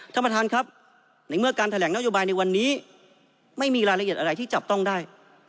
ท่านประธานครับในเมื่อการแถลงนโยบายในวันนี้ไม่มีรายละเอียดอะไรที่จับต้องได้